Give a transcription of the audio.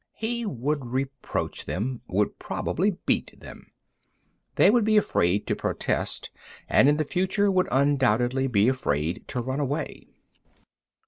He would reproach them, would probably beat them. They would be afraid to protest, and in the future would undoubtedly be afraid to run away.